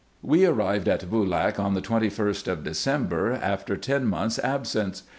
We arrived at Boolak on the twenty first of December, after ten months absence.